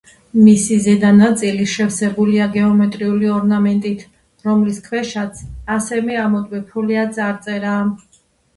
მისი ზედა ნაწილი შევსებულია გეომეტრიული ორნამენტით, რომლის ქვეშაც ასევე ამოტვიფრულია წარწერა.